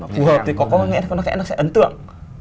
phù hợp thì có có nghĩa là nó sẽ ấn tượng